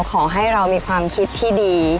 ขอให้เรามีความคิดที่ดี